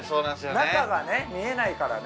中がね見えないからね。